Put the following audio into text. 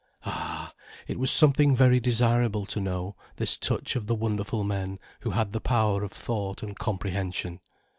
Ah, it was something very desirable to know, this touch of the wonderful men who had the power of thought and comprehension.